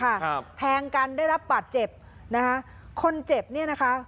ครับแทงกันได้รับบาดเจ็บนะคะคนเจ็บเนี้ยนะคะ